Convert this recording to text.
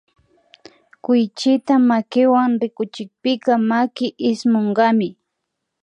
Kuychita makiwan rikuchikpika maki ismunkami